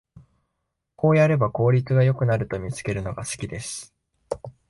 こうやれば効率が良くなると見つけるのが好きです